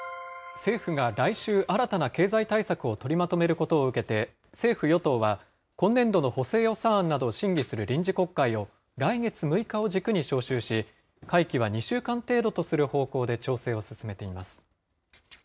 政府が来週、新たな経済対策を取りまとめることを受けて、政府・与党は、今年度の補正予算案などを審議する臨時国会を、来月６日を軸に召集し、会期は２週間程度とする方向で調整を進めています。